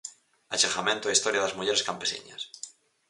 Achegamento á historia das mulleres campesiñas.